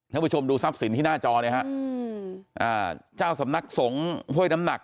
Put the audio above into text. ทุกผู้ชมดูทรัพย์สินที่หน้าจอนะครับเจ้าสำนักสงฆ์เฮ้ยน้ำหนัก